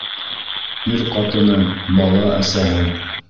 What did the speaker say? Ир ҡатыны, бала әсәһе!